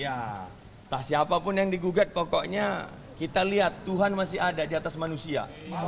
ya entah siapapun yang digugat pokoknya kita lihat tuhan masih ada di atas manusia